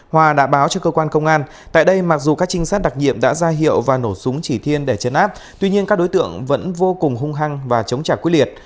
hòa đã báo cho cơ quan công an tại đây mặc dù các trinh sát đặc nhiệm đã ra hiệu và nổ súng chỉ thiên để chấn áp tuy nhiên các đối tượng vẫn vô cùng hung hăng và chống trả quyết liệt